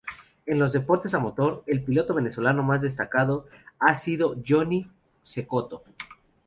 En los deportes a motor, el piloto venezolano más destacado ha sido Johnny Cecotto.